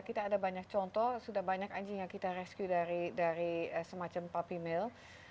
kita ada banyak contoh sudah banyak anjing yang kita rescue dari semacam puppy mill